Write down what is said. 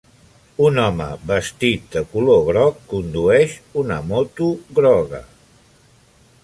Un home vestit de color groc condueix una moto groga.